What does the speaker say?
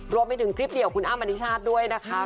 รวมไปถึงคลิปเดียวคุณอ้ำอธิชาติด้วยนะคะ